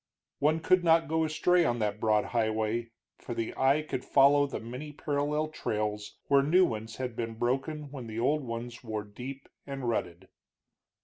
One could not go astray on that broad highway, for the eye could follow the many parallel trails, where new ones had been broken when the old ones wore deep and rutted.